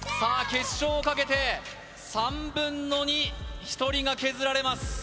決勝をかけて３分の２１人が削られます